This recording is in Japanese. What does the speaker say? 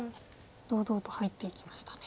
堂々と入っていきましたね。